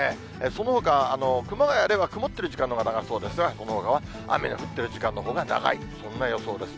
そのほか、熊谷では曇っている時間のほうが長そうですが、そのほかは雨の降ってる時間のほうが長い、そんな予想です。